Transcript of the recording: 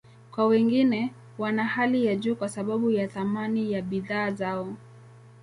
Kwa wengine, wana hali ya juu kwa sababu ya thamani ya bidhaa zao.